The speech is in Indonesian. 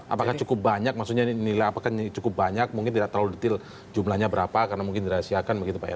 apakah cukup banyak maksudnya nilai apakah cukup banyak mungkin tidak terlalu detail jumlahnya berapa karena mungkin dirahasiakan begitu pak ya